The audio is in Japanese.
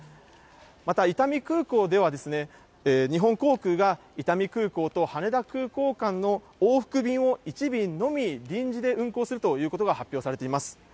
また伊丹空港では、日本航空が伊丹空港と羽田空港間の往復便を１便のみ、臨時で運航するということが発表されています。